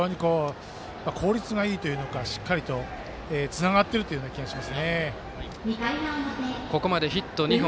効率がいいというのか、しっかりつながっているというようなここまでヒット２本。